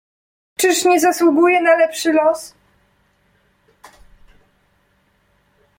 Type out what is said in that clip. "Czyż nie zasługuję na lepszy los?"